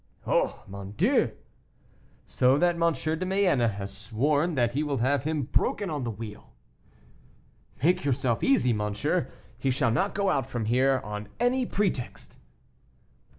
"Oh! mon Dieu!" "So that M. de Mayenne has sworn that he will have him broken on the wheel." "Make yourself easy, monsieur; he shall not go out from here on any pretext."